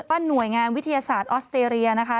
หน่วยงานวิทยาศาสตร์ออสเตรเลียนะคะ